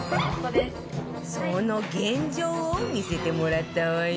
その現状を見せてもらったわよ